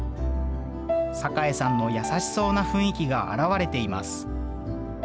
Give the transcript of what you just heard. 榮さんの優しそうな雰囲気が現れています。